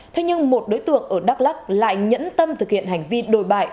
thế nhưng một đối tượng ở đắk lắc lại nhẫn tâm thực hiện hành vi đồi bại